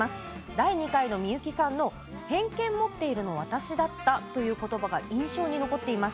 第２回のミユキさんの偏見持ってるの私だったという言葉が印象に残っています。